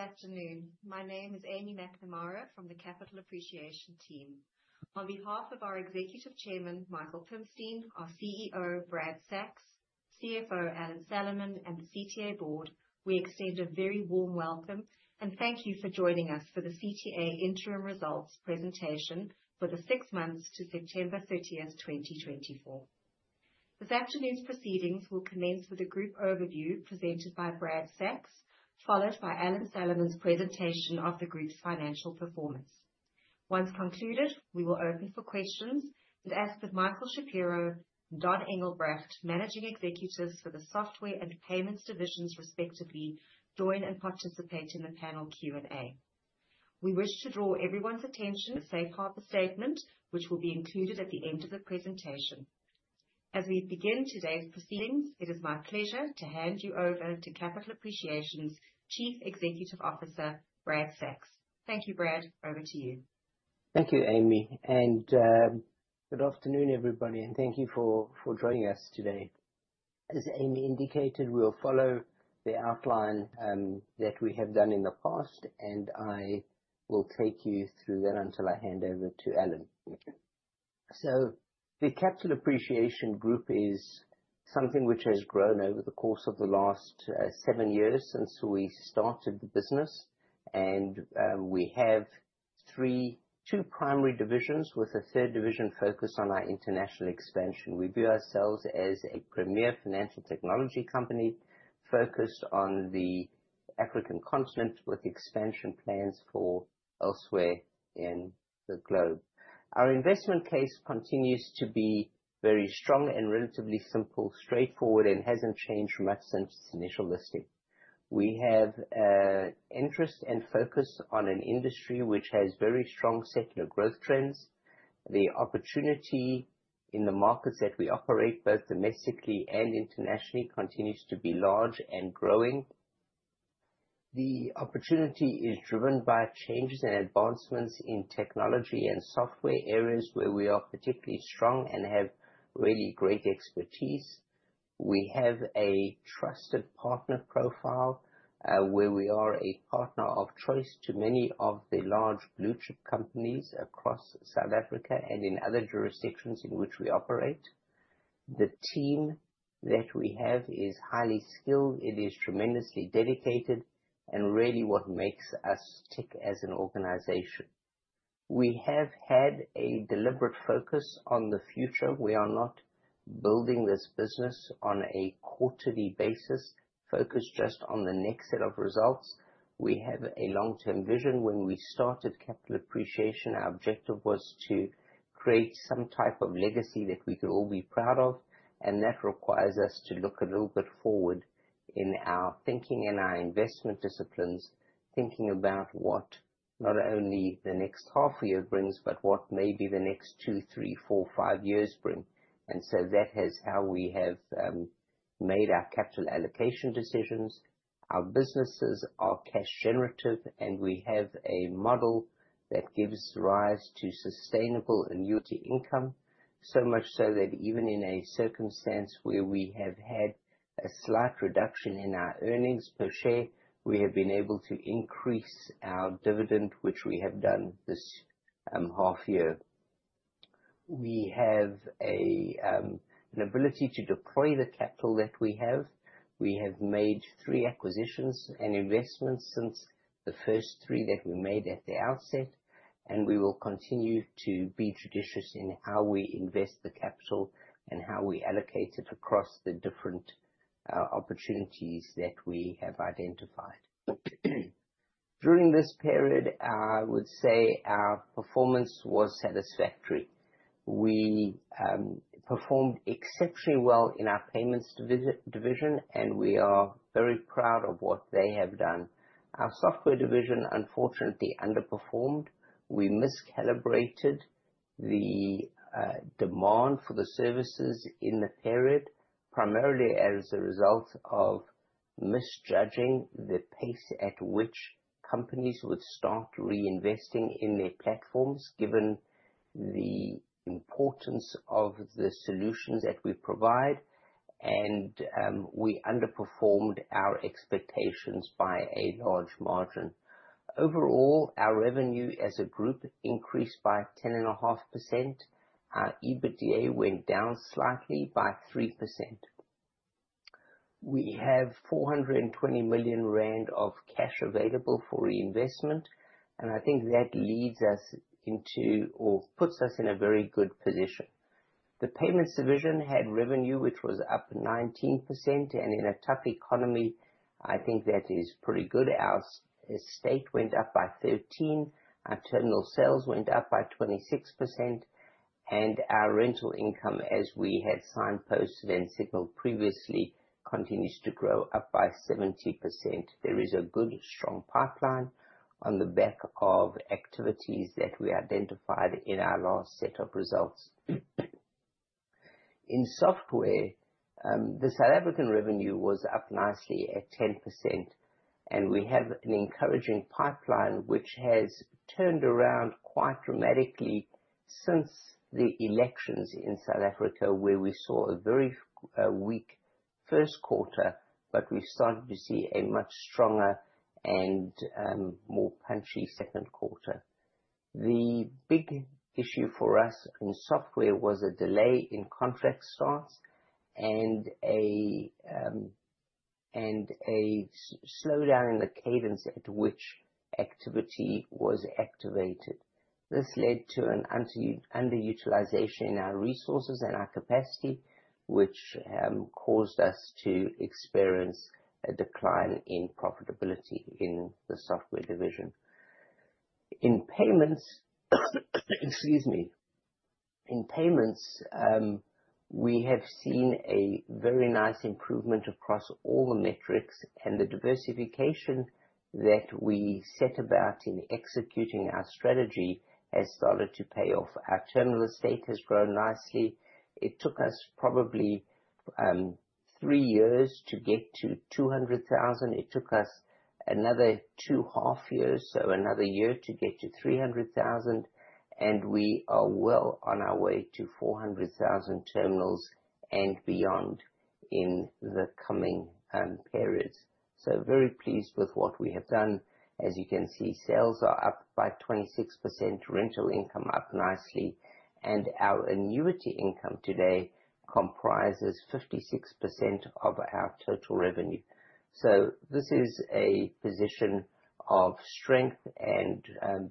Good afternoon. My name is Aimee McNamara from the Capital Appreciation team. On behalf of our Executive Chairman, Michael Pimstein, our CEO, Brad Sacks, CFO, Alan Salomon, and the CTA board, we extend a very warm welcome and thank you for joining us for the CTA interim results presentation for the six months to September 30th, 2024. This afternoon's proceedings will commence with a group overview presented by Brad Sacks, followed by Alan Salomon's presentation of the group's financial performance. Once concluded, we will open for questions and ask that Michael Shapiro and Donn Engelbrecht, managing executives for the software and payments divisions respectively, join and participate in the panel Q&A. We wish to draw everyone's attention to the safe harbor statement, which will be included at the end of the presentation. As we begin today's proceedings, it is my pleasure to hand you over to Capital Appreciation's Chief Executive Officer, Brad Sacks. Thank you, Brad. Over to you. Thank you, Aimee. Good afternoon, everybody, and thank you for joining us today. As Aimee indicated, we will follow the outline that we have done in the past, and I will take you through that until I hand over to Alan. The Capital Appreciation Group is something which has grown over the course of the last seven years since we started the business. We have two primary divisions, with a third division focused on our international expansion. We view ourselves as a premier financial technology company focused on the African continent, with expansion plans for elsewhere in the globe. Our investment case continues to be very strong and relatively simple, straightforward, and hasn't changed much since its initial listing. We have an interest and focus on an industry which has very strong secular growth trends. The opportunity in the markets that we operate, both domestically and internationally, continues to be large and growing. The opportunity is driven by changes and advancements in technology and software areas where we are particularly strong and have really great expertise. We have a trusted partner profile, where we are a partner of choice to many of the large blue-chip companies across South Africa and in other jurisdictions in which we operate. The team that we have is highly skilled, it is tremendously dedicated, and really what makes us tick as an organization. We have had a deliberate focus on the future. We are not building this business on a quarterly basis, focused just on the next set of results. We have a long-term vision. When we started Capital Appreciation, our objective was to create some type of legacy that we could all be proud of, that requires us to look a little bit forward in our thinking and our investment disciplines. Thinking about what, not only the next half year brings, but what maybe the next two, three, four, five years bring. That is how we have made our capital allocation decisions. Our businesses are cash generative, and we have a model that gives rise to sustainable annuity income. Much so that even in a circumstance where we have had a slight reduction in our earnings per share, we have been able to increase our dividend, which we have done this half year. We have an ability to deploy the capital that we have. We have made three acquisitions and investments since the first three that we made at the outset, we will continue to be judicious in how we invest the capital and how we allocate it across the different opportunities that we have identified. During this period, I would say our performance was satisfactory. We performed exceptionally well in our payments division, and we are very proud of what they have done. Our software division, unfortunately, underperformed. We miscalibrated the demand for the services in the period, primarily as a result of misjudging the pace at which companies would start reinvesting in their platforms, given the importance of the solutions that we provide. We underperformed our expectations by a large margin. Overall, our revenue as a group increased by 10.5%. Our EBITDA went down slightly by 3%. We have 420 million rand of cash available for reinvestment, I think that leads us into or puts us in a very good position. The payments division had revenue, which was up 19%, in a tough economy, I think that is pretty good. Our estate went up by 13%, our terminal sales went up by 26%, and our rental income, as we had signposted and signaled previously, continues to grow up by 70%. There is a good, strong pipeline on the back of activities that we identified in our last set of results. In software, the South African revenue was up nicely at 10%, we have an encouraging pipeline, which has turned around quite dramatically since the elections in South Africa, where we saw a very weak first quarter, we started to see a much stronger and more punchy second quarter. The big issue for us in software was a delay in contract starts and a slowdown in the cadence at which activity was activated. This led to an underutilization in our resources and our capacity, which caused us to experience a decline in profitability in the software division. In payments, excuse me. In payments, we have seen a very nice improvement across all the metrics, the diversification that we set about in executing our strategy has started to pay off. Our terminal estate has grown nicely. It took us probably three years to get to 200,000. It took us another two half years, so another year, to get to 300,000. We are well on our way to 400,000 terminals and beyond in the coming periods. Very pleased with what we have done. As you can see, sales are up by 26%, rental income up nicely, and our annuity income today comprises 56% of our total revenue. This is a position of strength, and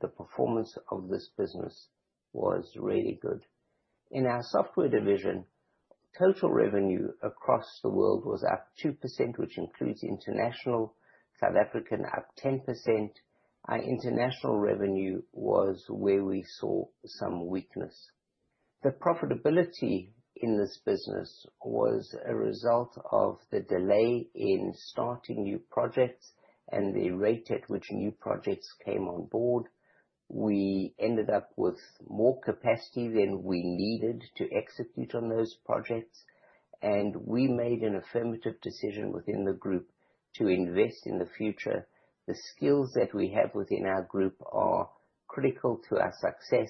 the performance of this business was really good. In our software division, total revenue across the world was up 2%, which includes international. South African up 10%. Our international revenue was where we saw some weakness. The profitability in this business was a result of the delay in starting new projects and the rate at which new projects came on board. We ended up with more capacity than we needed to execute on those projects. We made an affirmative decision within the group to invest in the future. The skills that we have within our group are critical to our success,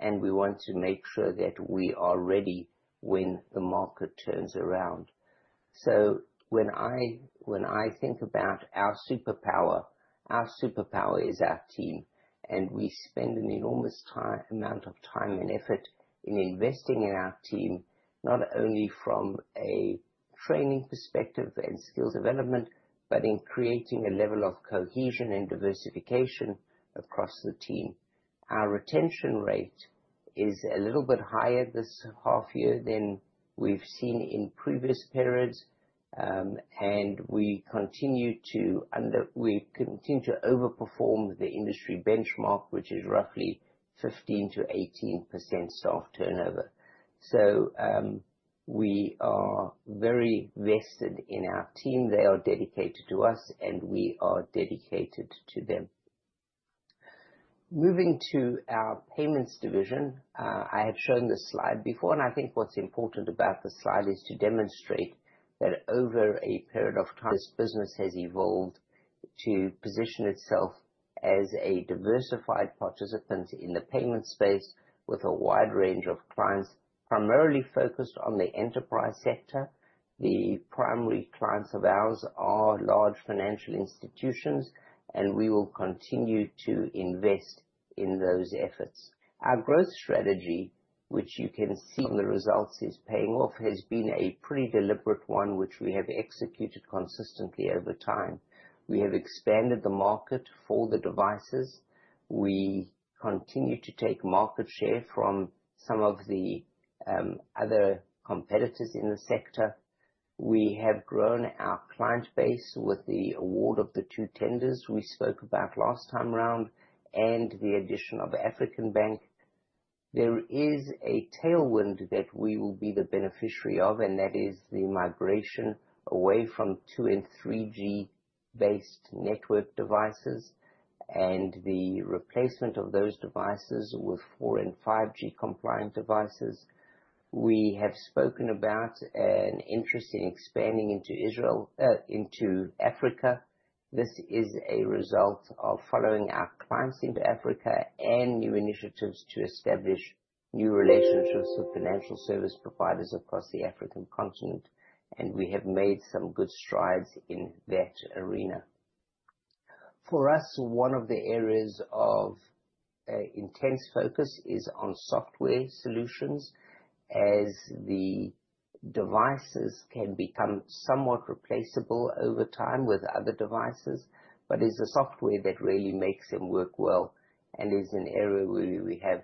and we want to make sure that we are ready when the market turns around. When I think about our superpower, our superpower is our team, and we spend an enormous amount of time and effort in investing in our team, not only from a training perspective and skills development, but in creating a level of cohesion and diversification across the team. Our retention rate is a little bit higher this half year than we've seen in previous periods. We continue to overperform the industry benchmark, which is roughly 15%-18% staff turnover. We are very vested in our team. They are dedicated to us. We are dedicated to them. Moving to our payments division. I had shown this slide before, and I think what's important about this slide is to demonstrate that over a period of time, this business has evolved to position itself as a diversified participant in the payment space with a wide range of clients, primarily focused on the enterprise sector. The primary clients of ours are large financial institutions, and we will continue to invest in those efforts. Our growth strategy, which you can see from the results is paying off, has been a pretty deliberate one, which we have executed consistently over time. We have expanded the market for the devices. We continue to take market share from some of the other competitors in the sector. We have grown our client base with the award of the two tenders we spoke about last time around and the addition of African Bank. There is a tailwind that we will be the beneficiary of, and that is the migration away from 2 and 3G-based network devices and the replacement of those devices with 4 and 5G compliant devices. We have spoken about an interest in expanding into Africa. This is a result of following our clients into Africa and new initiatives to establish new relationships with financial service providers across the African continent. We have made some good strides in that arena. For us, one of the areas of intense focus is on software solutions as the devices can become somewhat replaceable over time with other devices, but it's the software that really makes them work well and is an area where we have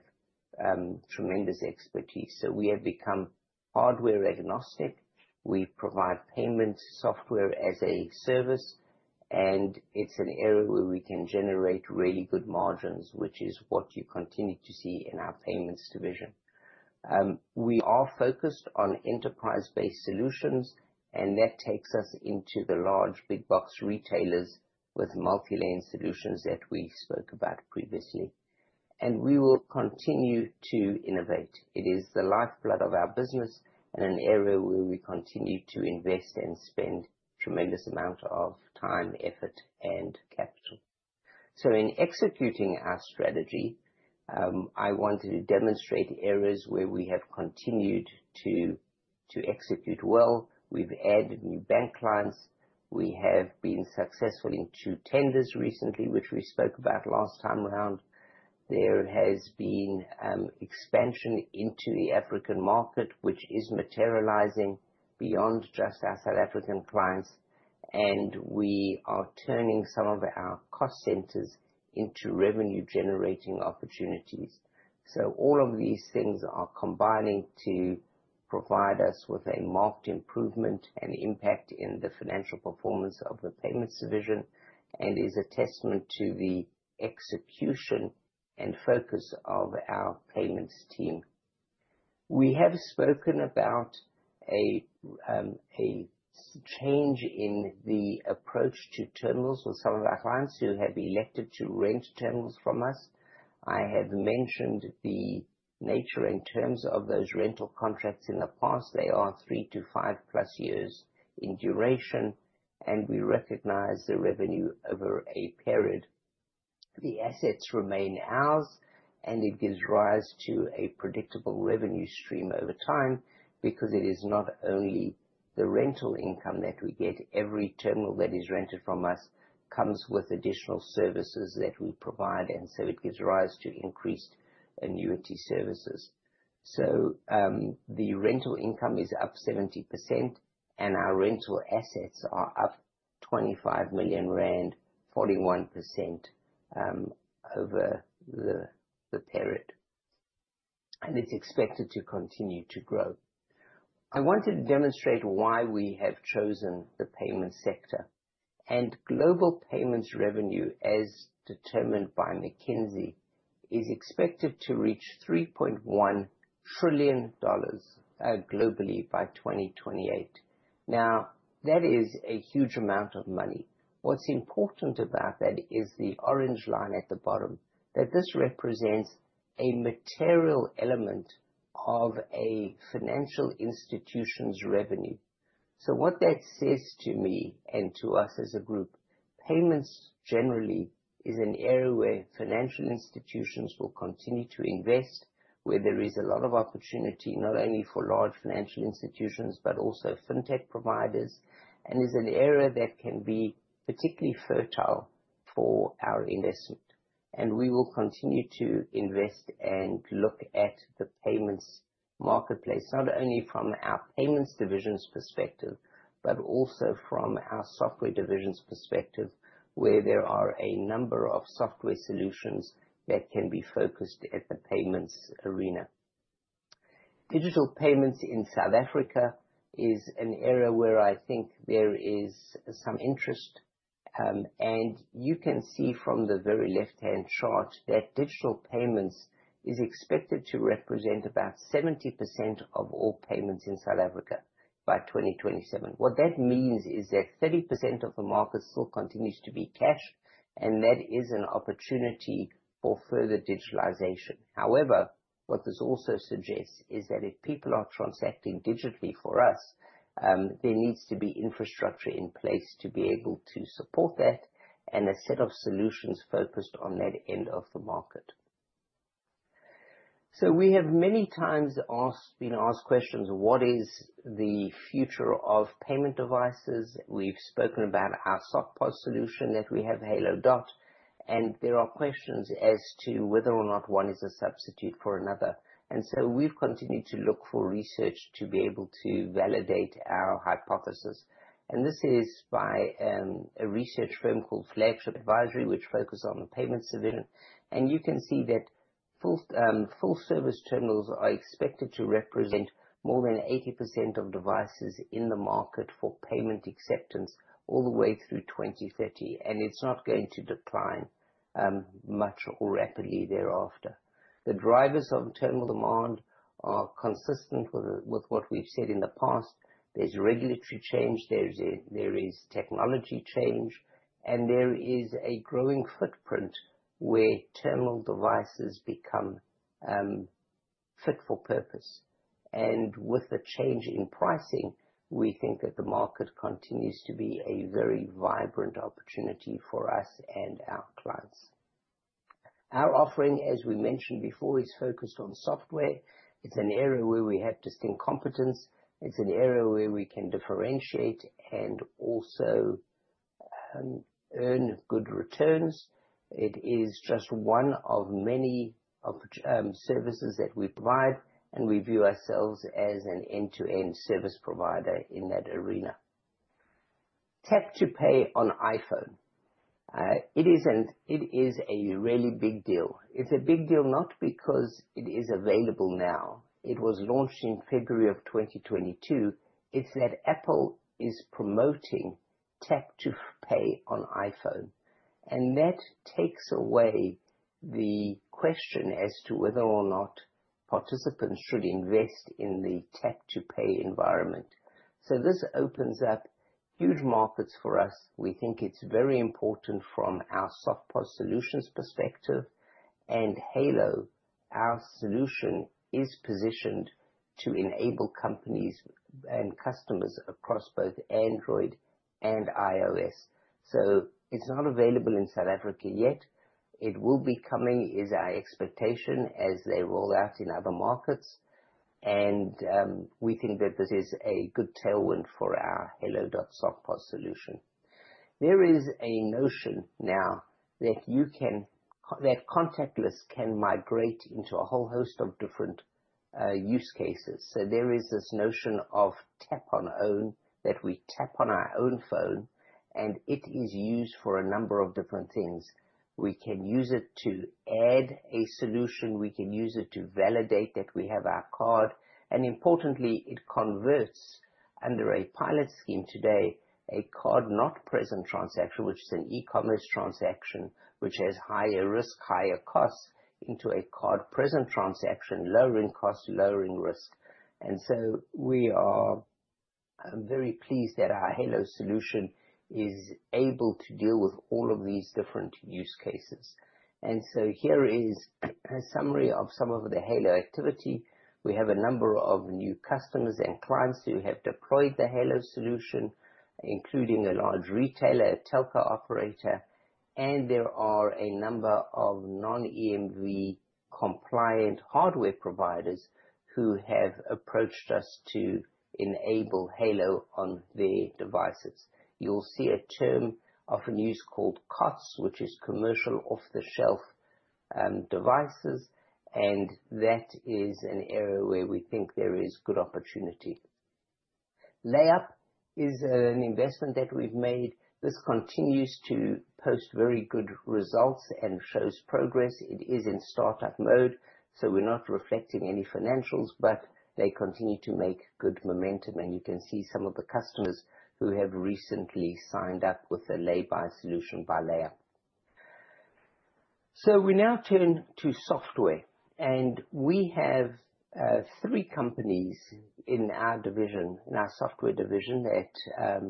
tremendous expertise. We have become hardware-agnostic. We provide payment software as a service, and it's an area where we can generate really good margins, which is what you continue to see in our payments division. We are focused on enterprise-based solutions, and that takes us into the large big box retailers with multi-lane solutions that we spoke about previously. We will continue to innovate. It is the lifeblood of our business and an area where we continue to invest and spend tremendous amount of time, effort, and capital. In executing our strategy, I wanted to demonstrate areas where we have continued to execute well, we've added new bank clients. We have been successful in two tenders recently, which we spoke about last time around. There has been expansion into the African market, which is materializing beyond just our South African clients. We are turning some of our cost centers into revenue-generating opportunities. All of these things are combining to provide us with a marked improvement and impact in the financial performance of the payments division, and is a testament to the execution and focus of our payments team. We have spoken about a change in the approach to terminals with some of our clients who have elected to rent terminals from us. I have mentioned the nature in terms of those rental contracts in the past. They are three to five+ years in duration, and we recognize the revenue over a period. The assets remain ours, and it gives rise to a predictable revenue stream over time because it is not only the rental income that we get. Every terminal that is rented from us comes with additional services that we provide. It gives rise to increased annuity services. The rental income is up 70%, and our rental assets are up 25 million rand, 41% over the period, and it's expected to continue to grow. I want to demonstrate why we have chosen the payment sector. Global payments revenue, as determined by McKinsey, is expected to reach $3.1 trillion globally by 2028. That is a huge amount of money. What's important about that is the orange line at the bottom, that this represents a material element of a financial institution's revenue. What that says to me and to us as a group, payments generally is an area where financial institutions will continue to invest, where there is a lot of opportunity, not only for large financial institutions, but also fintech providers, and is an area that can be particularly fertile for our investment. We will continue to invest and look at the payments marketplace, not only from our payments division's perspective, but also from our software division's perspective, where there are a number of software solutions that can be focused at the payments arena. Digital payments in South Africa is an area where I think there is some interest. You can see from the very left-hand chart that digital payments is expected to represent about 70% of all payments in South Africa by 2027. What that means is that 30% of the market still continues to be cash, that is an opportunity for further digitalization. However, what this also suggests is that if people are transacting digitally for us, there needs to be infrastructure in place to be able to support that, and a set of solutions focused on that end of the market. We have many times been asked questions, what is the future of payment devices? We've spoken about our SoftPOS solution that we have, Halo. There are questions as to whether or not one is a substitute for another. We've continued to look for research to be able to validate our hypothesis. This is by a research firm called Flagship Advisory, which focus on payments division. You can see that full-service terminals are expected to represent more than 80% of devices in the market for payment acceptance all the way through 2030. It's not going to decline much or rapidly thereafter. The drivers of terminal demand are consistent with what we've said in the past. There's regulatory change, there is technology change, and there is a growing footprint where terminal devices become fit for purpose. With the change in pricing, we think that the market continues to be a very vibrant opportunity for us and our clients. Our offering, as we mentioned before, is focused on software. It's an area where we have distinct competence. It's an area where we can differentiate and also earn good returns. It is just one of many services that we provide, and we view ourselves as an end-to-end service provider in that arena. Tap to Pay on iPhone. It is a really big deal. It's a big deal not because it is available now. It was launched in February of 2022. It's that Apple is promoting Tap to Pay on iPhone. That takes away the question as to whether or not participants should invest in the Tap to Pay environment. This opens up huge markets for us. We think it's very important from our SoftPOS solutions perspective. Halo, our solution, is positioned to enable companies and customers across both Android and iOS. It's not available in South Africa yet. It will be coming, is our expectation, as they roll out in other markets, and we think that this is a good tailwind for our Halo softPOS solution. There is a notion now that contactless can migrate into a whole host of different use cases. There is this notion of tap on own, that we tap on our own phone, and it is used for a number of different things. We can use it to add a solution. We can use it to validate that we have our card, importantly, it converts under a pilot scheme today, a card-not-present transaction, which is an e-commerce transaction, which has higher risk, higher costs, into a card-present transaction, lowering cost, lowering risk. We are very pleased that our Halo solution is able to deal with all of these different use cases. Here is a summary of some of the Halo activity. We have a number of new customers and clients who have deployed the Halo solution, including a large retailer, a telco operator, and there are a number of non-EMV compliant hardware providers who have approached us to enable Halo on their devices. You'll see a term often used called COTS, which is commercial off-the-shelf devices, and that is an area where we think there is good opportunity. LayUp is an investment that we've made. This continues to post very good results and shows progress. It is in startup mode, so we're not reflecting any financials, but they continue to make good momentum, and you can see some of the customers who have recently signed up with the LayUp solution by LayUp. We now turn to software, and we have three companies in our software division that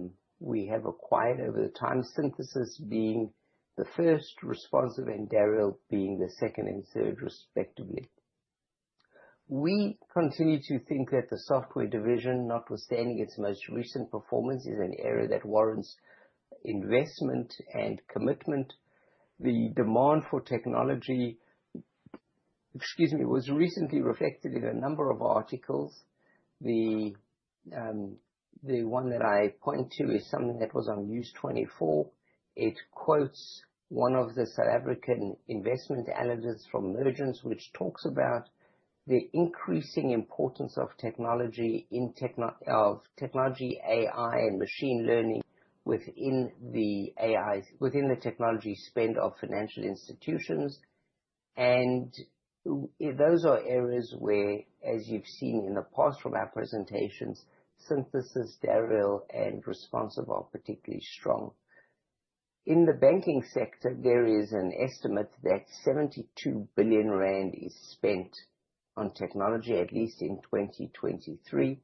we have acquired over the time. Synthesis being the first, Responsive and Dariel being the second and third respectively. We continue to think that the software division, notwithstanding its most recent performance, is an area that warrants investment and commitment. The demand for technology was recently reflected in a number of articles. The one that I point to is something that was on News24. It quotes one of the South African investment analysts from Mergence, which talks about the increasing importance of technology, AI, and machine learning within the technology spend of financial institutions. Those are areas where, as you've seen in the past from our presentations, Synthesis, Dariel, and Responsive are particularly strong. In the banking sector, there is an estimate that 72 billion rand is spent on technology, at least in 2023.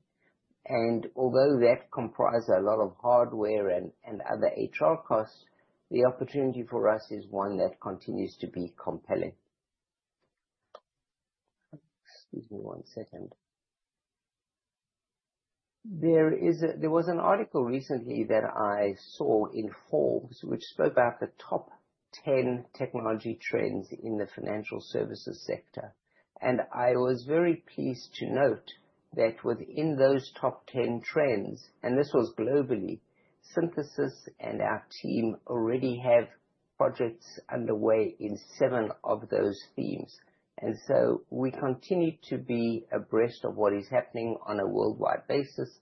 Although that comprises a lot of hardware and other HR costs, the opportunity for us is one that continues to be compelling. Excuse me one second. There was an article recently that I saw in Forbes, which spoke about the top 10 technology trends in the financial services sector. I was very pleased to note that within those top 10 trends, and this was globally, Synthesis and our team already have projects underway in seven of those themes. We continue to be abreast of what is happening on a worldwide basis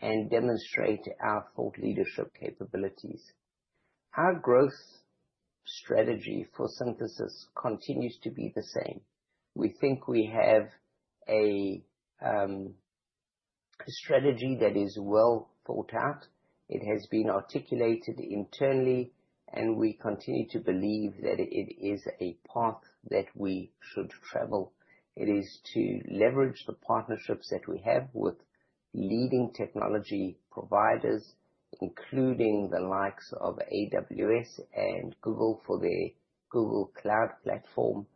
and demonstrate our thought leadership capabilities. Our growth strategy for Synthesis continues to be the same. We think we have a strategy that is well thought out. It has been articulated internally, and we continue to believe that it is a path that we should travel. It is to leverage the partnerships that we have with leading technology providers, including the likes of AWS and Google for their Google Cloud platform.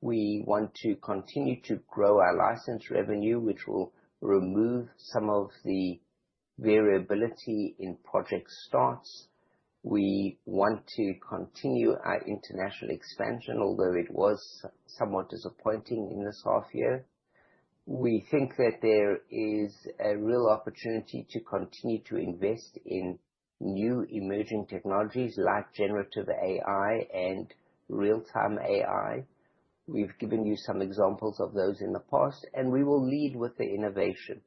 We want to continue to grow our license revenue, which will remove some of the variability in project starts. We want to continue our international expansion, although it was somewhat disappointing in this half year. We think that there is a real opportunity to continue to invest in new emerging technologies like generative AI and real-time AI. We've given you some examples of those in the past, and we will lead with the innovation.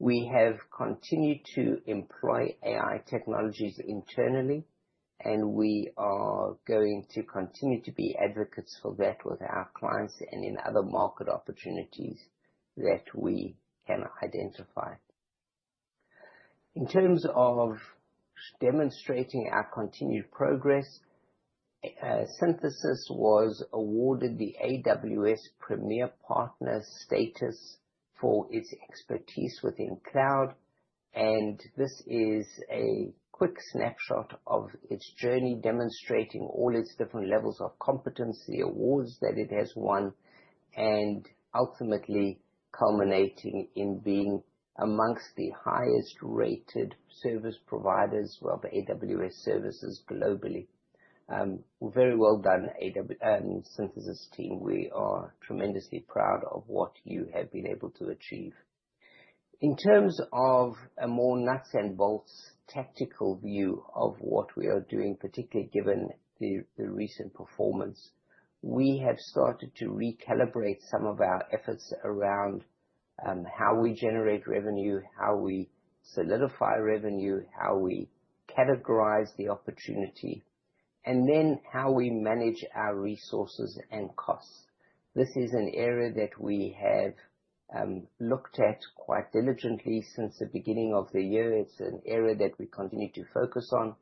We have continued to employ AI technologies internally, and we are going to continue to be advocates for that with our clients and in other market opportunities that we can identify. In terms of demonstrating our continued progress, Synthesis was awarded the AWS Premier Partner status for its expertise within cloud. This is a quick snapshot of its journey, demonstrating all its different levels of competency awards that it has won, and ultimately culminating in being amongst the highest-rated service providers of AWS services globally. Very well done, Synthesis team. We are tremendously proud of what you have been able to achieve. In terms of a more nuts and bolts tactical view of what we are doing, particularly given the recent performance, we have started to recalibrate some of our efforts around how we generate revenue, how we solidify revenue, how we categorize the opportunity, and then how we manage our resources and costs. This is an area that we have looked at quite diligently since the beginning of the year. It is an area that we continue to focus on.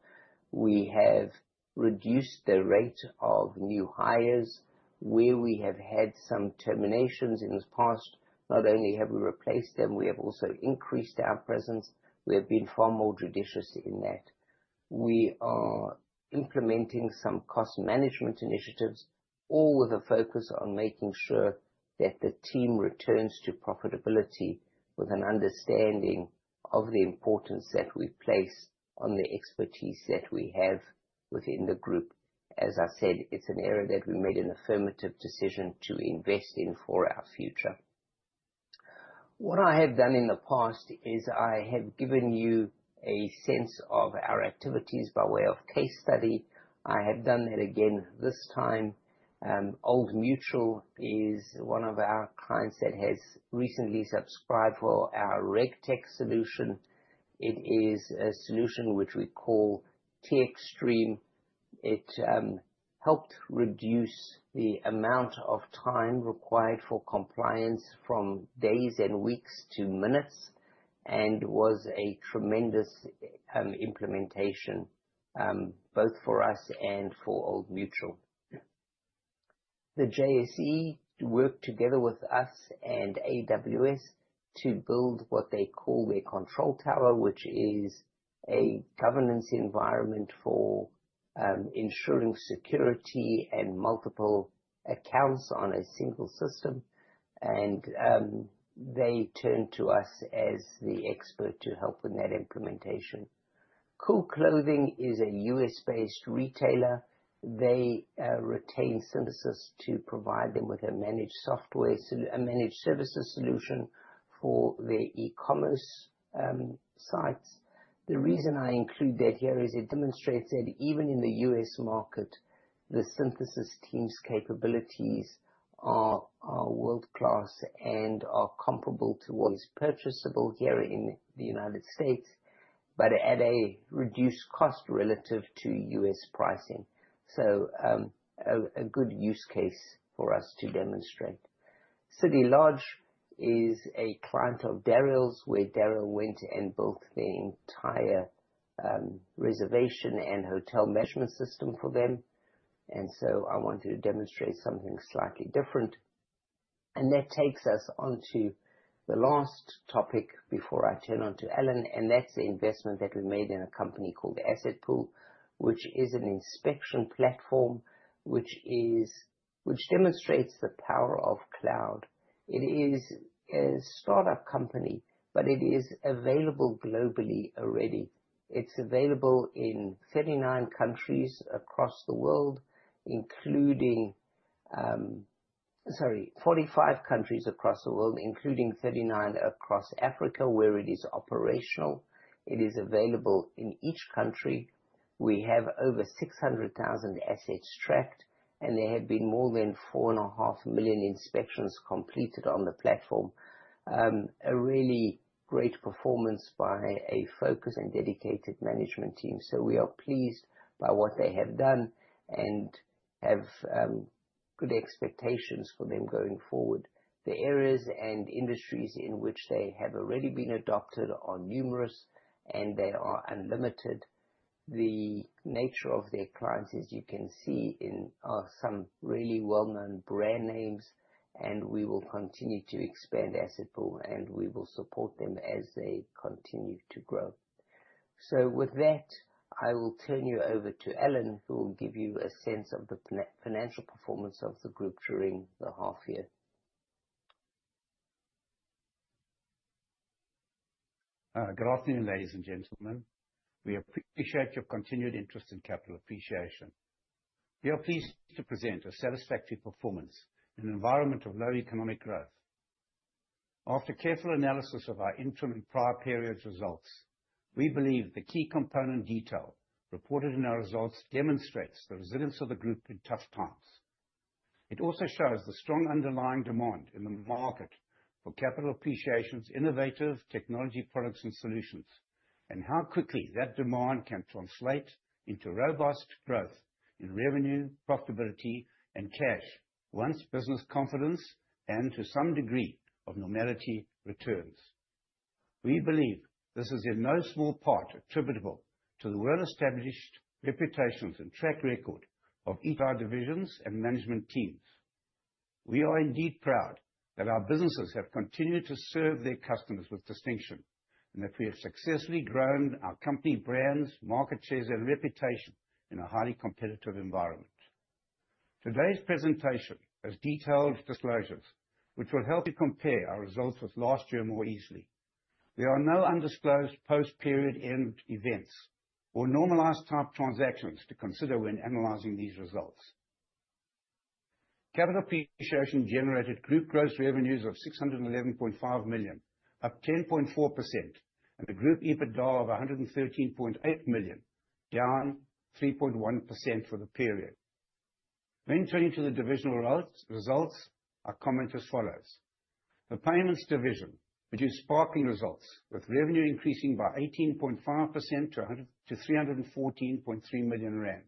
We have reduced the rate of new hires. Where we have had some terminations in this past, not only have we replaced them, we have also increased our presence. We have been far more judicious in that. We are implementing some cost management initiatives, all with a focus on making sure that the team returns to profitability with an understanding of the importance that we place on the expertise that we have within the group. As I said, it is an area that we made an affirmative decision to invest in for our future. What I have done in the past is I have given you a sense of our activities by way of case study. I have done that again. This time, Old Mutual is one of our clients that has recently subscribed for our RegTech solution. It is a solution which we call T-Xstream. It helped reduce the amount of time required for compliance from days and weeks to minutes, and was a tremendous implementation, both for us and for Old Mutual. The JSE worked together with us and AWS to build what they call their control tower, which is a governance environment for ensuring security and multiple accounts on a single system. They turned to us as the expert to help with that implementation. Cool Clothing is a U.S.-based retailer. They retain Synthesis to provide them with a managed services solution for their e-commerce sites. The reason I include that here is it demonstrates that even in the U.S. market, the Synthesis team's capabilities are world-class and are comparable to what is purchasable here in the United States, but at a reduced cost relative to U.S. pricing. A good use case for us to demonstrate. City Lodge is a client of Dariel's, where Dariel went and built the entire reservation and hotel management system for them. I wanted to demonstrate something slightly different. That takes us on to the last topic before I turn on to Alan, and that is the investment that we made in a company called AssetPool, which is an inspection platform, which demonstrates the power of cloud. It is a startup company, but it is available globally already. It is available in 39 countries across the world, including-- Sorry, 45 countries across the world, including 39 across Africa, where it is operational. It is available in each country. We have over 600,000 assets tracked, and there have been more than 4.5 million inspections completed on the platform. A really great performance by a focused and dedicated management team. We are pleased by what they have done and have good expectations for them going forward. The areas and industries in which they have already been adopted are numerous, and they are unlimited. The nature of their clients, as you can see, are some really well-known brand names, and we will continue to expand AssetPool, and we will support them as they continue to grow. With that, I will turn you over to Alan, who will give you a sense of the financial performance of the group during the half year. Good afternoon, ladies and gentlemen. We appreciate your continued interest in Capital Appreciation. We are pleased to present a satisfactory performance in an environment of low economic growth. After careful analysis of our interim and prior period's results, we believe the key component detail reported in our results demonstrates the resilience of the group in tough times. It also shows the strong underlying demand in the market for Capital Appreciation's innovative technology products and solutions, and how quickly that demand can translate into robust growth in revenue, profitability, and cash once business confidence, and to some degree of normality, returns. We believe this is in no small part attributable to the well-established reputations and track record of each our divisions and management teams. We are indeed proud that our businesses have continued to serve their customers with distinction, and that we have successfully grown our company brands, market shares, and reputation in a highly competitive environment. Today's presentation has detailed disclosures which will help you compare our results with last year more easily. There are no undisclosed post-period end events or normalized type transactions to consider when analyzing these results. Capital Appreciation generated group gross revenues of 611.5 million, up 10.4%, and a group EBITDA of 113.8 million, down 3.1% for the period. Turning to the divisional results, our comment as follows: The Payments division produced sparkling results, with revenue increasing by 18.5% to 314.3 million rand,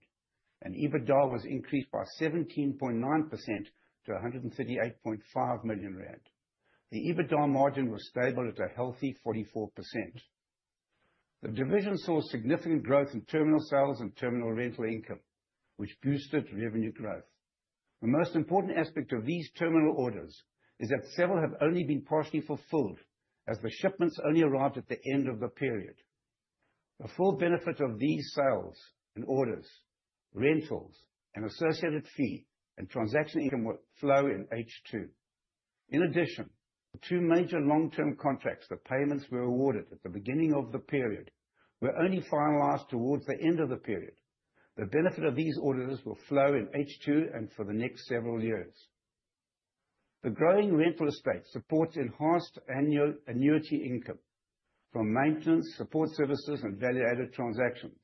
and EBITDA was increased by 17.9% to 138.5 million rand. The EBITDA margin was stable at a healthy 44%. The division saw significant growth in terminal sales and terminal rental income, which boosted revenue growth. The most important aspect of these terminal orders is that several have only been partially fulfilled as the shipments only arrived at the end of the period. The full benefit of these sales and orders, rentals and associated fee and transaction income will flow in H2. In addition, the two major long-term contracts that payments were awarded at the beginning of the period were only finalized towards the end of the period. The benefit of these orders will flow in H2 and for the next several years. The growing rental estate supports enhanced annual annuity income from maintenance, support services, and value-added transactions.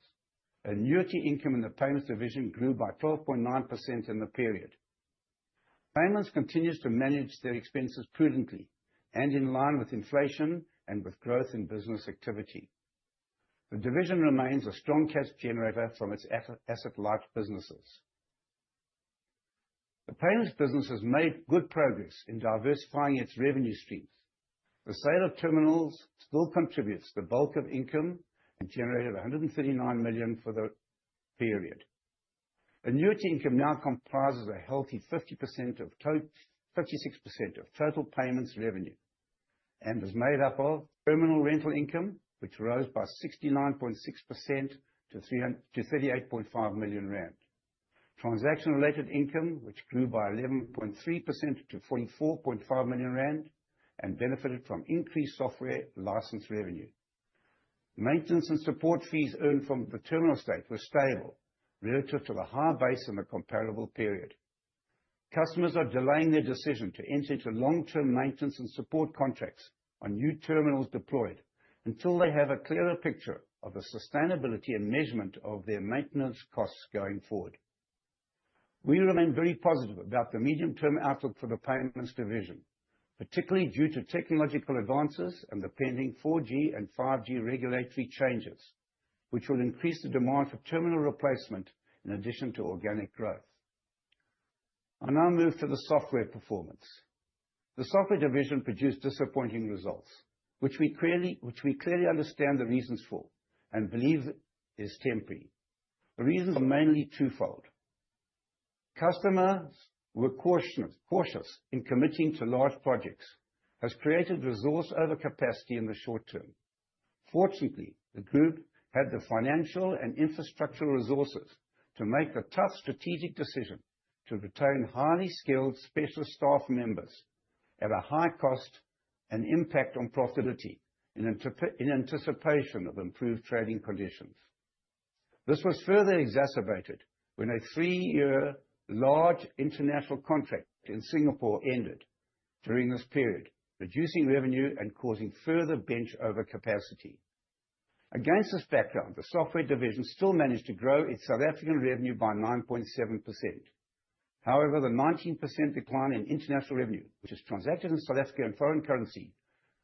Annuity income in the Payments division grew by 12.9% in the period. Payments continues to manage their expenses prudently and in line with inflation and with growth in business activity. The division remains a strong cash generator from its asset-light businesses. The Payments business has made good progress in diversifying its revenue streams. The sale of terminals still contributes the bulk of income and generated 139 million for the period. Annuity income now comprises a healthy 56% of total Payments revenue and is made up of terminal rental income, which rose by 69.6% to 38.5 million rand. Transaction-related income, which grew by 11.3% to 44.5 million rand and benefited from increased software license revenue. Maintenance and support fees earned from the terminal estate were stable relative to the high base in the comparable period. Customers are delaying their decision to enter into long-term maintenance and support contracts on new terminals deployed until they have a clearer picture of the sustainability and measurement of their maintenance costs going forward. We remain very positive about the medium-term outlook for the Payments division, particularly due to technological advances and the pending 4G and 5G regulatory changes, which will increase the demand for terminal replacement in addition to organic growth. I now move to the Software performance. The Software division produced disappointing results, which we clearly understand the reasons for and believe is temporary. The reasons are mainly twofold. Customers were cautious in committing to large projects, has created resource overcapacity in the short term. Fortunately, the group had the financial and infrastructure resources to make the tough strategic decision to retain highly skilled specialist staff members at a high cost and impact on profitability in anticipation of improved trading conditions. This was further exacerbated when a three-year large international contract in Singapore ended during this period, reducing revenue and causing further bench overcapacity. Against this background, the Software division still managed to grow its South African revenue by 9.7%. However, the 19% decline in international revenue, which is transacted in South African foreign currency,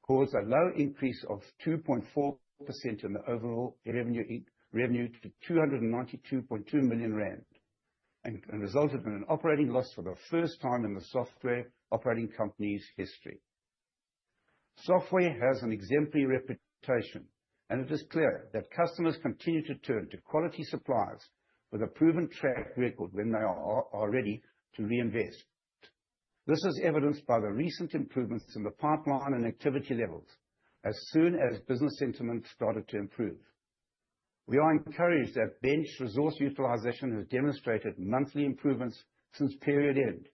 caused a low increase of 2.4% in the overall revenue to 292.2 million rand and resulted in an operating loss for the first time in the Software operating company's history. Software has an exemplary reputation, and it is clear that customers continue to turn to quality suppliers with a proven track record when they are ready to reinvest. This is evidenced by the recent improvements in the pipeline and activity levels as soon as business sentiment started to improve. We are encouraged that bench resource utilization has demonstrated monthly improvements since period end,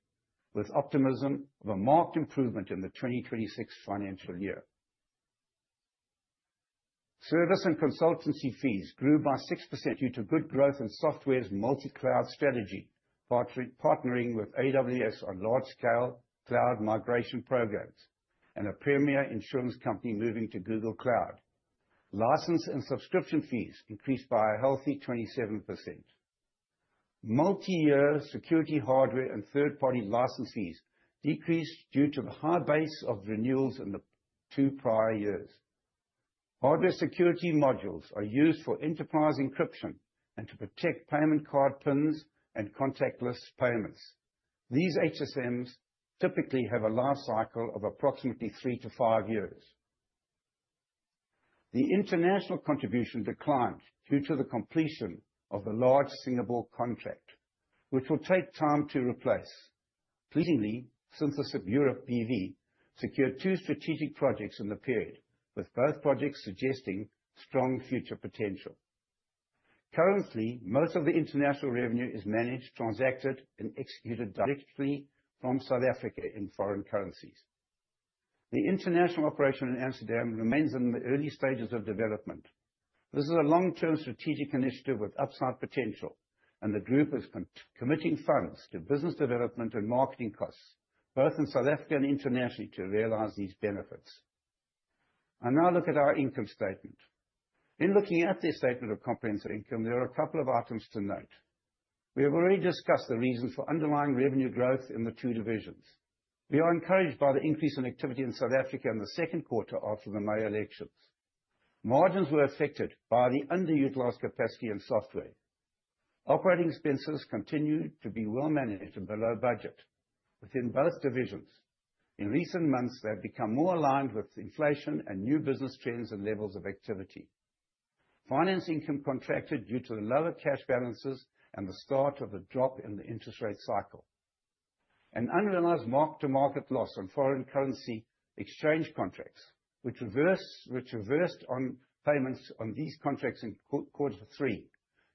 with optimism of a marked improvement in the 2026 financial year. Service and consultancy fees grew by 6% due to good growth in Software's multi-cloud strategy, partnering with AWS on large-scale cloud migration programs and a premier insurance company moving to Google Cloud. License and subscription fees increased by a healthy 27%. Multi-year security hardware and third-party license fees decreased due to the high base of renewals in the two prior years. Hardware Security Modules are used for enterprise encryption and to protect payment card pins and contactless payments. These HSMs typically have a life cycle of approximately three to five years. The international contribution declined due to the completion of the large Singapore contract, which will take time to replace. Pleasingly, Synthesis Europe BV secured two strategic projects in the period, with both projects suggesting strong future potential. Currently, most of the international revenue is managed, transacted, and executed directly from South Africa in foreign currencies. The international operation in Amsterdam remains in the early stages of development. This is a long-term strategic initiative with upside potential, and the group is committing funds to business development and marketing costs, both in South Africa and internationally, to realize these benefits. I now look at our income statement. In looking at this statement of comprehensive income, there are a couple of items to note. We have already discussed the reasons for underlying revenue growth in the two divisions. We are encouraged by the increase in activity in South Africa in the second quarter after the May elections. Margins were affected by the underutilized capacity and software. Operating expenses continued to be well managed and below budget within both divisions. In recent months, they have become more aligned with inflation and new business trends and levels of activity. Finance income contracted due to the lower cash balances and the start of the drop in the interest rate cycle. An unrealized mark-to-market loss on foreign currency exchange contracts, which reversed on payments on these contracts in Q3,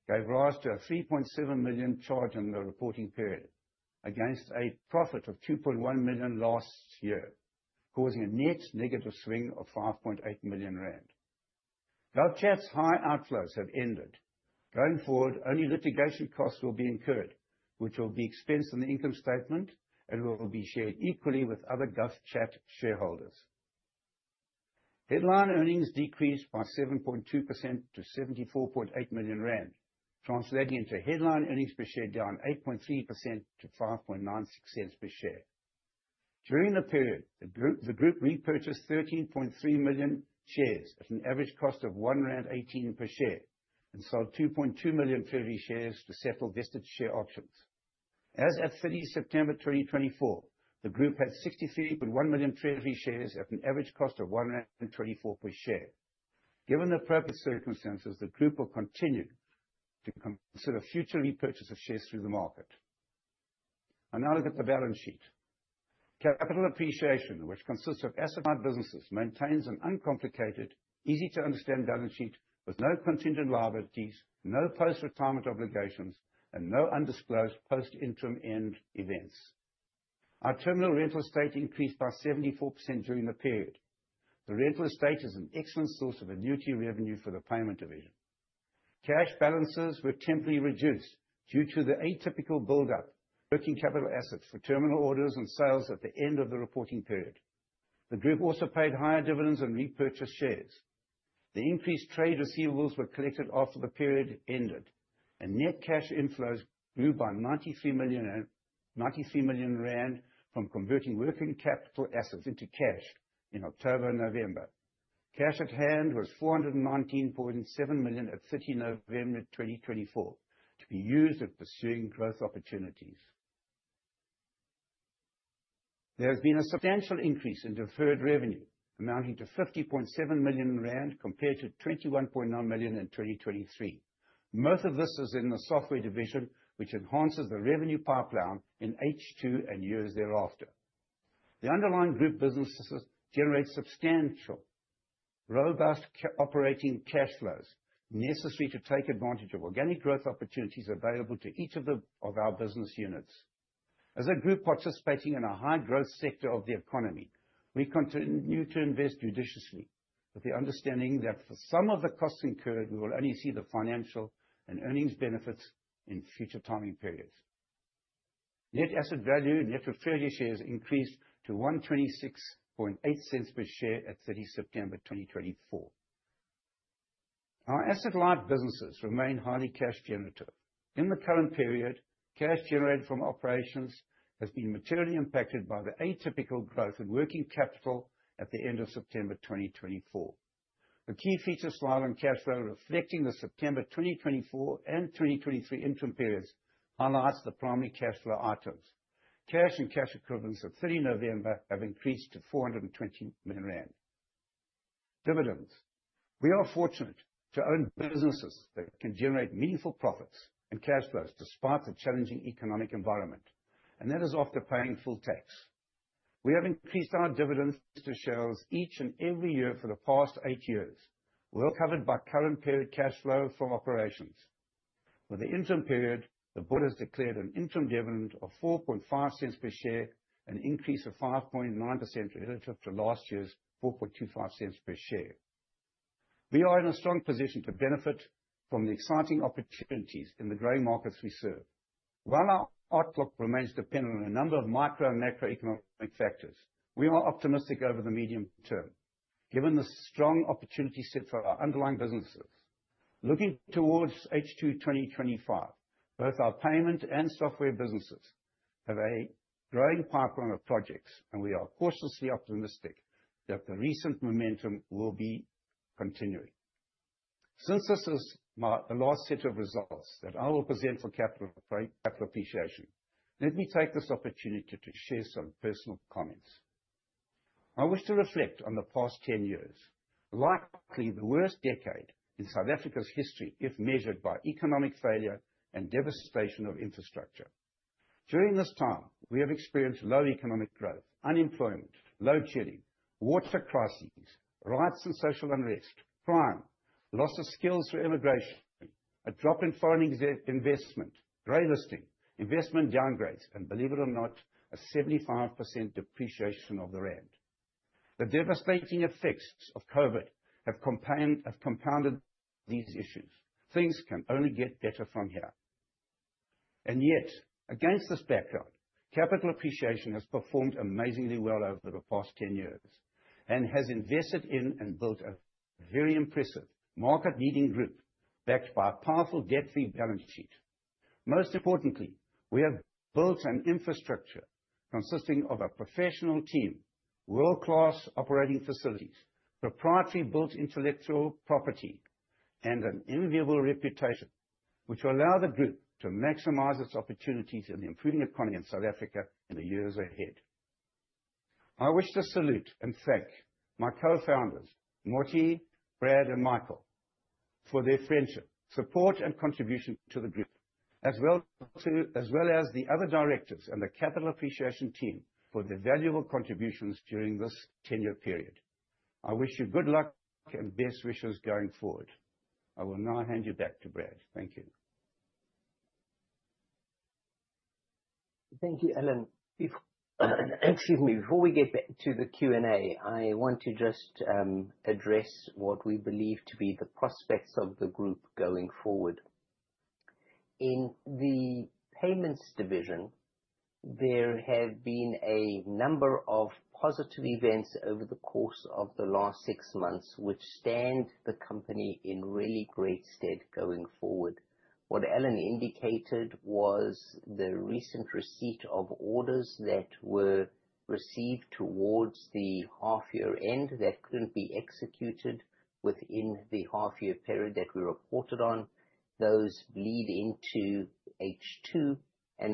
gave rise to a 3.7 million charge in the reporting period against a profit of 2.1 million last year, causing a net negative swing of 5.8 million rand. GovChat's high outflows have ended. Going forward, only litigation costs will be incurred, which will be expensed on the income statement and will be shared equally with other GovChat shareholders. Headline earnings decreased by 7.2% to 74.8 million rand, translating into headline earnings per share down 8.3% to 0.0596 per share. During the period, the group repurchased 13.3 million shares at an average cost of 1.18 rand per share and sold 2.2 million treasury shares to settle vested share options. As at 30 September 2024, the group had 63.1 million treasury shares at an average cost of 1.24 per share. Given the appropriate circumstances, the group will continue to consider future repurchase of shares through the market. I now look at the balance sheet. Capital Appreciation, which consists of asset-light businesses, maintains an uncomplicated, easy-to-understand balance sheet with no contingent liabilities, no post-retirement obligations, and no undisclosed post-interim end events. Our terminal rental estate increased by 74% during the period. The rental estate is an excellent source of annuity revenue for the payment division. Cash balances were temporarily reduced due to the atypical buildup working capital assets for terminal orders and sales at the end of the reporting period. The group also paid higher dividends and repurchased shares. The increased trade receivables were collected after the period ended, and net cash inflows grew by 93 million from converting working capital assets into cash in October and November. Cash at hand was 419.7 million at 30 November 2024 to be used at pursuing growth opportunities. There has been a substantial increase in deferred revenue amounting to 50.7 million rand compared to 21.9 million in 2023. Most of this is in the software division, which enhances the revenue pipeline in H2 and years thereafter. The underlying group businesses generate substantial, robust operating cash flows necessary to take advantage of organic growth opportunities available to each of our business units. As a group participating in a high growth sector of the economy, we continue to invest judiciously with the understanding that for some of the costs incurred, we will only see the financial and earnings benefits in future timing periods. Net asset value, net of treasury shares increased to 1.268 per share at 30 September 2024. Our asset-light businesses remain highly cash generative. In the current period, cash generated from operations has been materially impacted by the atypical growth in working capital at the end of September 2024. The key features slide on cash flow reflecting the September 2024 and 2023 interim periods highlights the primary cash flow items. Cash and cash equivalents at 30 November have increased to 420 million rand. Dividends. We are fortunate to own businesses that can generate meaningful profits and cash flows despite the challenging economic environment, and that is after paying full tax. We have increased our dividends to shareholders each and every year for the past eight years. Well covered by current period cash flow from operations. For the interim period, the board has declared an interim dividend of 0.045 per share, an increase of 5.9% relative to last year's 0.0425 per share. We are in a strong position to benefit from the exciting opportunities in the growing markets we serve. While our outlook remains dependent on a number of micro and macroeconomic factors, we are optimistic over the medium term given the strong opportunity set for our underlying businesses. Looking towards H2 2025, both our payment and software businesses have a growing pipeline of projects. We are cautiously optimistic that the recent momentum will be continuing. Since this is the last set of results that I will present for Capital Appreciation, let me take this opportunity to share some personal comments. I wish to reflect on the past 10 years, likely the worst decade in South Africa's history if measured by economic failure and devastation of infrastructure. During this time, we have experienced low economic growth, unemployment, load shedding, water crises, riots and social unrest, crime, loss of skills through immigration, a drop in foreign investment, grey listing, investment downgrades. Believe it or not, a 75% depreciation of the rand. The devastating effects of COVID have compounded these issues. Things can only get better from here. Yet, against this backdrop, Capital Appreciation has performed amazingly well over the past 10 years and has invested in and built a very impressive market-leading group backed by a powerful debt-free balance sheet. Most importantly, we have built an infrastructure consisting of a professional team, world-class operating facilities, proprietary built intellectual property, and an enviable reputation which will allow the group to maximize its opportunities in the improving economy in South Africa in the years ahead. I wish to salute and thank my co-founders, Mortie, Brad, and Michael, for their friendship, support, and contribution to the group, as well as the other directors and the Capital Appreciation team for their valuable contributions during this 10-year period. I wish you good luck and best wishes going forward. I will now hand you back to Brad. Thank you. Thank you, Alan. Excuse me. Before we get back to the Q&A, I want to just address what we believe to be the prospects of the group going forward. In the payments division, there have been a number of positive events over the course of the last six months which stand the company in really great stead going forward. What Alan indicated was the recent receipt of orders that were received towards the half year-end that couldn't be executed within the half year period that we reported on. Those bleed into H2,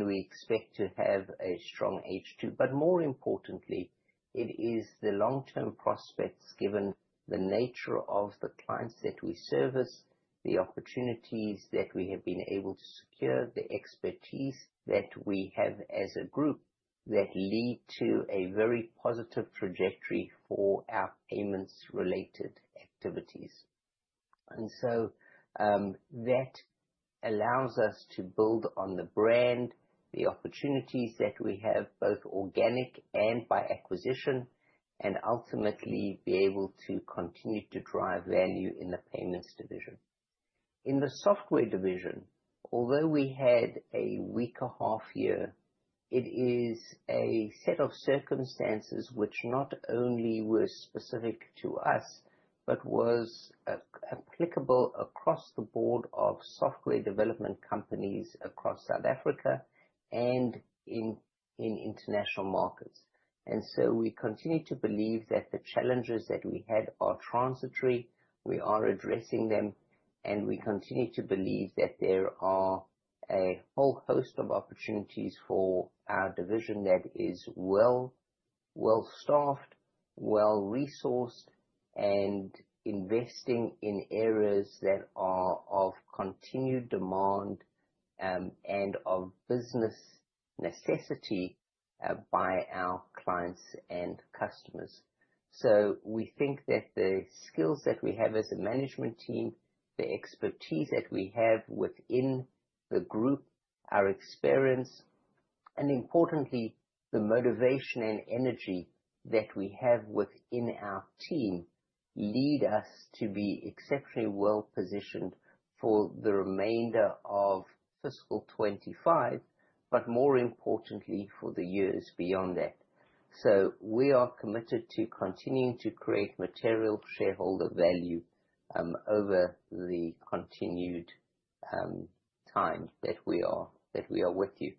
we expect to have a strong H2. More importantly, it is the long-term prospects, given the nature of the clients that we service, the opportunities that we have been able to secure, the expertise that we have as a group that lead to a very positive trajectory for our payments-related activities. That allows us to build on the brand, the opportunities that we have, both organic and by acquisition, and ultimately be able to continue to drive value in the payments division. In the software division, although we had a weaker half year, it is a set of circumstances which not only were specific to us but was applicable across the board of software development companies across South Africa and in international markets. We continue to believe that the challenges that we had are transitory. We are addressing them, and we continue to believe that there are a whole host of opportunities for our division that is well staffed, well resourced, and investing in areas that are of continued demand, and of business necessity, by our clients and customers. We think that the skills that we have as a management team, the expertise that we have within the group, our experience, and importantly, the motivation and energy that we have within our team, lead us to be exceptionally well-positioned for the remainder of fiscal 2025, but more importantly, for the years beyond that. We are committed to continuing to create material shareholder value, over the continued time that we are with you.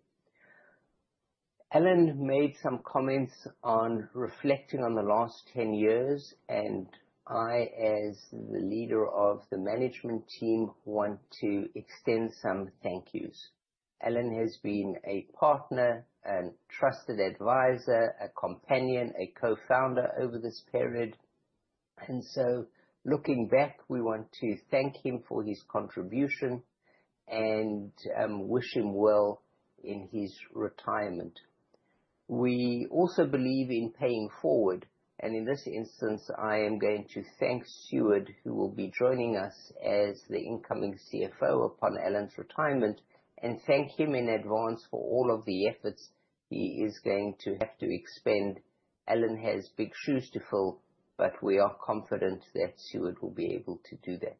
Alan made some comments on reflecting on the last 10 years, and I, as the leader of the management team, want to extend some thank yous. Alan has been a partner and trusted advisor, a companion, a co-founder over this period. Looking back, we want to thank him for his contribution and wish him well in his retirement. We also believe in paying forward, and in this instance, I am going to thank Sjoerd, who will be joining us as the incoming CFO upon Alan's retirement, and thank him in advance for all of the efforts he is going to have to expend. Alan has big shoes to fill, but we are confident that Sjoerd will be able to do that.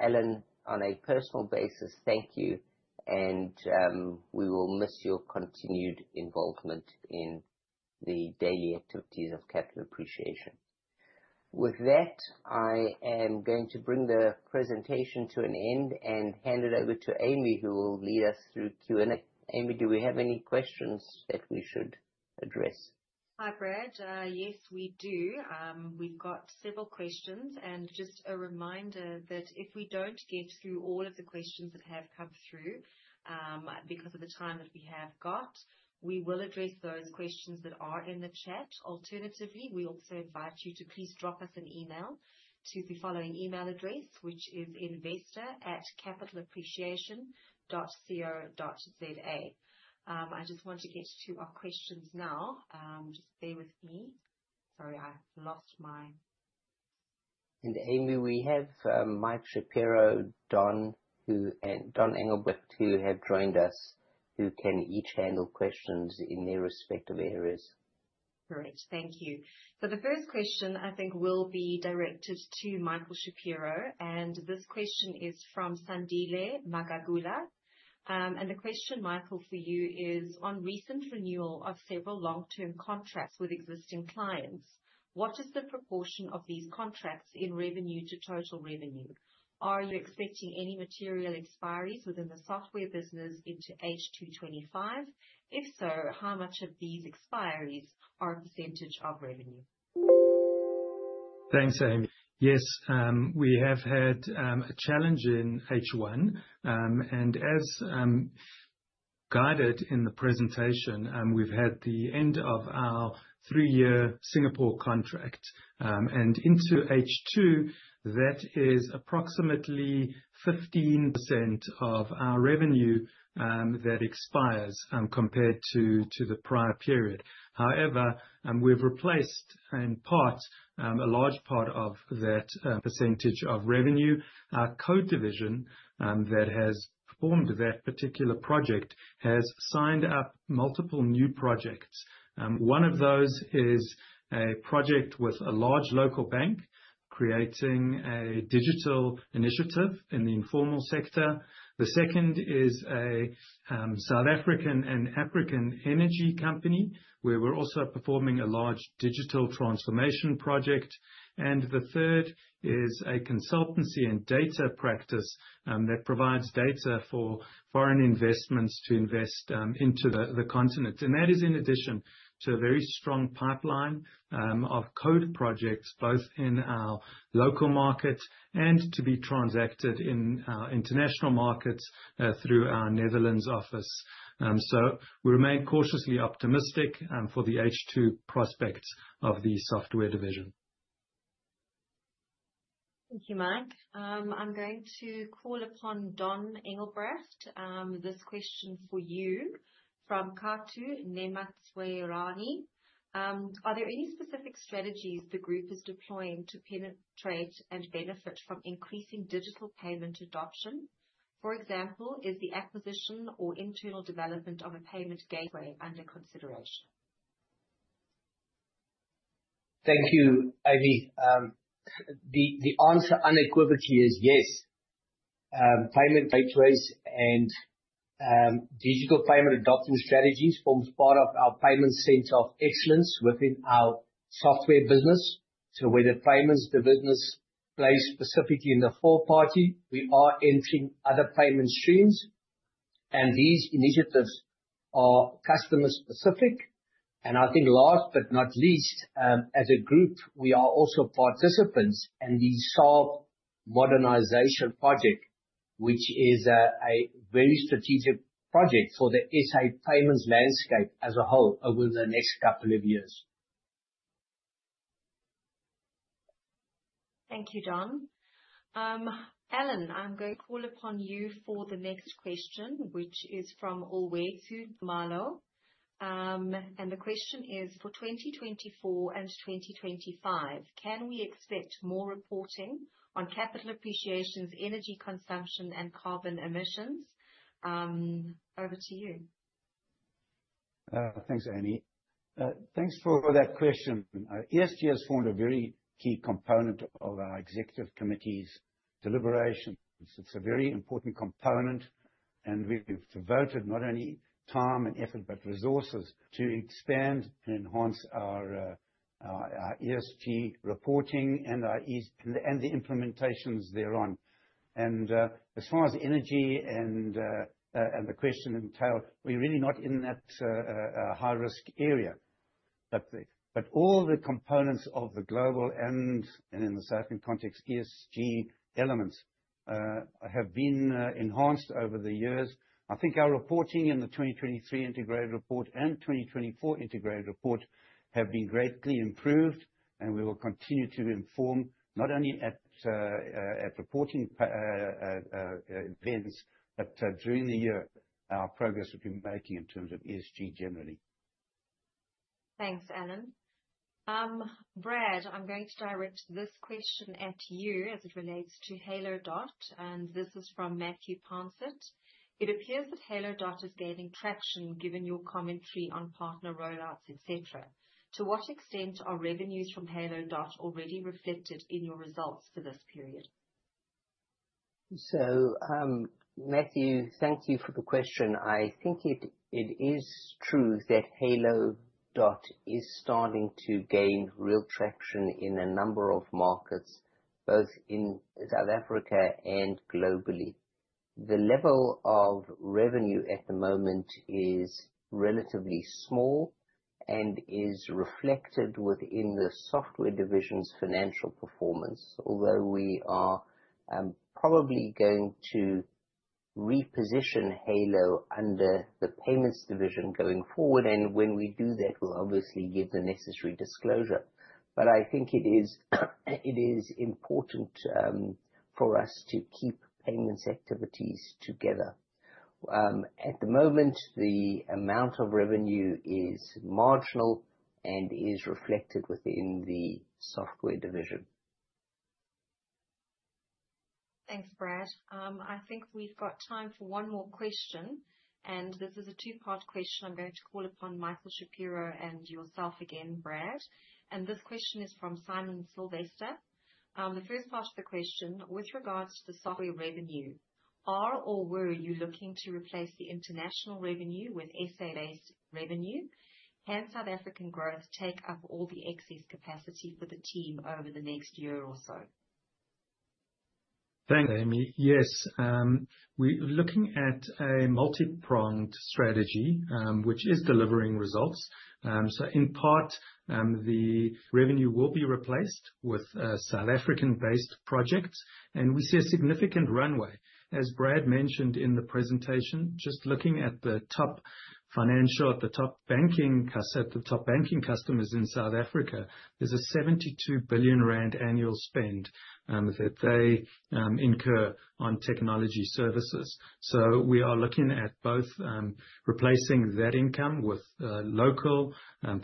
Alan, on a personal basis, thank you, and we will miss your continued involvement in the daily activities of Capital Appreciation. With that, I am going to bring the presentation to an end and hand it over to Aimee, who will lead us through Q&A. Aimee, do we have any questions that we should address? Hi, Brad. Yes, we do. We've got several questions. Just a reminder that if we don't get through all of the questions that have come through, because of the time that we have got, we will address those questions that are in the chat. Alternatively, we also invite you to please drop us an email to the following email address, which is investor@capitalappreciation.co.za. I just want to get to our questions now. Just bear with me. Aimee, we have Michael Shapiro, Donn Engelbrecht, who have joined us, who can each handle questions in their respective areas. Great. Thank you. The first question, I think, will be directed to Michael Shapiro, and this question is from Sandile Magagula. The question, Michael, for you is: On recent renewal of several long-term contracts with existing clients, what is the proportion of these contracts in revenue to total revenue? Are you expecting any material expiries within the software business into H2 2025? If so, how much of these expiries are a percentage of revenue? Thanks, Aimee. Yes, we have had a challenge in H1. As guided in the presentation, we've had the end of our three-year Singapore contract. Into H2, that is approximately 15% of our revenue that expires, compared to the prior period. However, we've replaced in part, a large part of that percentage of revenue. Our code division that has performed that particular project has signed up multiple new projects. One of those is a project with a large local bank creating a digital initiative in the informal sector. The second is a South African and African energy company, where we're also performing a large digital transformation project. The third is a consultancy and data practice that provides data for foreign investments to invest into the continent. That is in addition to a very strong pipeline of code projects, both in our local market and to be transacted in our international markets through our Netherlands office. We remain cautiously optimistic for the H2 prospects of the Software Division. Thank you, Mike. I'm going to call upon Donn Engelbrecht. This question for you from Khatu Nematswerani. Are there any specific strategies the group is deploying to penetrate and benefit from increasing digital payment adoption? For example, is the acquisition or internal development of a payment gateway under consideration? Thank you, Aimee. The answer unequivocally is yes. Payment gateways and digital payment adoption strategies forms part of our payment center of excellence within our software business. Where the payments, the business plays specifically in the four-party. We are entering other payment streams, and these initiatives are customer specific. I think last but not least, as a group, we are also participants in the SARB Modernization project, which is a very strategic project for the SA payments landscape as a whole over the next couple of years. Thank you, Donn. Alan, I'm going to call upon you for the next question, which is from [Owethu Marlo]. The question is, for 2024 and 2025, can we expect more reporting on Capital Appreciation's energy consumption and carbon emissions? Over to you. Thanks, Aimee. Thanks for that question. ESG has formed a very key component of our executive committee's deliberations. It's a very important component. We've devoted not only time and effort, but resources to expand and enhance our ESG reporting and the implementations thereon. As far as energy and the question entailed, we're really not in that high-risk area. All the components of the global and, in the southern context, ESG elements, have been enhanced over the years. I think our reporting in the 2023 integrated report and 2024 integrated report have been greatly improved, and we will continue to inform not only at reporting events, but during the year, our progress we've been making in terms of ESG generally. Thanks, Alan. Brad, I'm going to direct this question at you as it relates to Halo Dot, and this is from Matthew Poncet. It appears that Halo Dot is gaining traction given your commentary on partner rollouts, et cetera. To what extent are revenues from Halo Dot already reflected in your results for this period? Matthew, thank you for the question. I think it is true that Halo Dot is starting to gain real traction in a number of markets, both in South Africa and globally. The level of revenue at the moment is relatively small and is reflected within the software division's financial performance. Although we are probably going to reposition Halo Dot under the payments division going forward. When we do that, we'll obviously give the necessary disclosure. I think it is important for us to keep payments activities together. At the moment, the amount of revenue is marginal and is reflected within the software division. Thanks, Brad. I think we've got time for one more question, and this is a two-part question. I'm going to call upon Michael Shapiro and yourself again, Brad. This question is from Simon Sylvester. The first part of the question, with regards to software revenue, are or were you looking to replace the international revenue with SA-based revenue? Can South African growth take up all the excess capacity for the team over the next year or so? Thanks, Aimee. Yes, we're looking at a multi-pronged strategy, which is delivering results. In part, the revenue will be replaced with South African-based projects, and we see a significant runway. As Brad mentioned in the presentation, just looking at the top financial, at the top banking customers in South Africa, there's a 72 billion rand annual spend that they incur on technology services. We are looking at both replacing that income with local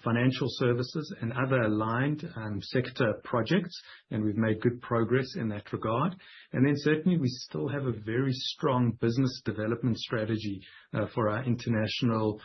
financial services and other aligned sector projects, and we've made good progress in that regard. Certainly, we still have a very strong business development strategy for our international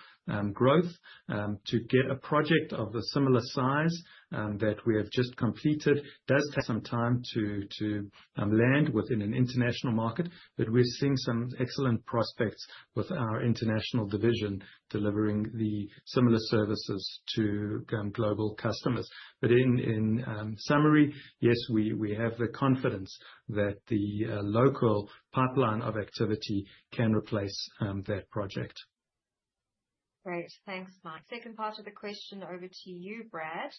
growth. To get a project of a similar size that we have just completed does take some time to land within an international market. We're seeing some excellent prospects with our international division delivering the similar services to global customers. In summary, yes, we have the confidence that the local pipeline of activity can replace that project. Great. Thanks, Mike. Second part of the question over to you, Brad.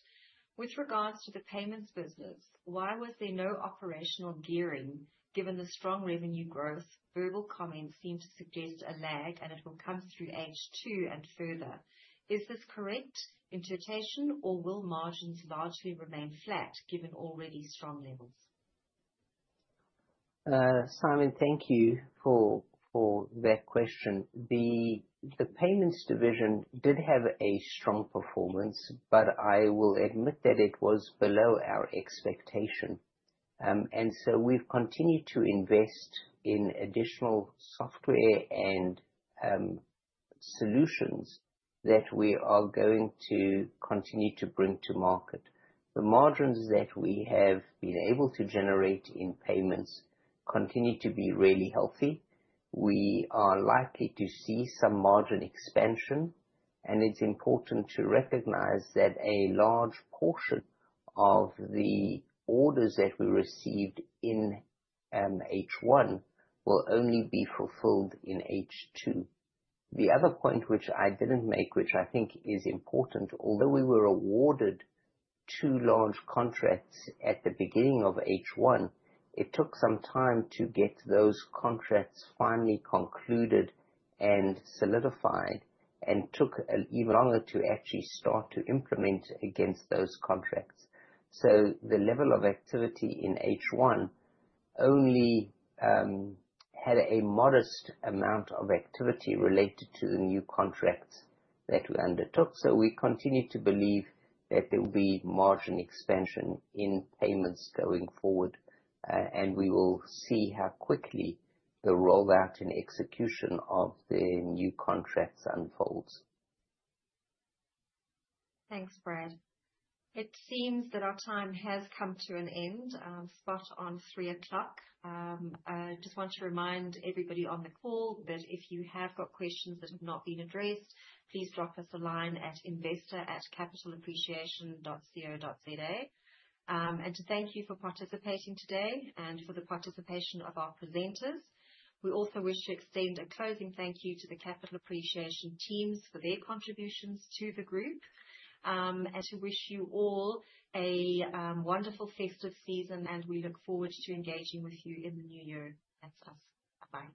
With regards to the payments business, why was there no operational gearing given the strong revenue growth? Verbal comments seem to suggest a lag, and it will come through H2 and further. Is this correct interpretation, or will margins largely remain flat given already strong levels? Simon, thank you for that question. The payments division did have a strong performance, I will admit that it was below our expectation. We've continued to invest in additional software and solutions that we are going to continue to bring to market. The margins that we have been able to generate in payments continue to be really healthy. We are likely to see some margin expansion, and it's important to recognize that a large portion of the orders that we received in H1 will only be fulfilled in H2. The other point which I didn't make, which I think is important, although we were awarded two large contracts at the beginning of H1, it took some time to get those contracts finally concluded and solidified, and took even longer to actually start to implement against those contracts. The level of activity in H1 only had a modest amount of activity related to the new contracts that we undertook. We continue to believe that there will be margin expansion in payments going forward, and we will see how quickly the rollout and execution of the new contracts unfolds. Thanks, Brad. It seems that our time has come to an end, spot on 3:00 P.M. I just want to remind everybody on the call that if you have got questions that have not been addressed, please drop us a line at investor@capitalappreciation.co.za. To thank you for participating today and for the participation of our presenters. We also wish to extend a closing thank you to the Capital Appreciation teams for their contributions to the group. To wish you all a wonderful festive season, and we look forward to engaging with you in the new year. That's us. Bye-bye.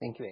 Thank you.